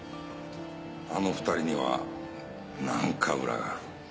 あの２人には何かウラがある。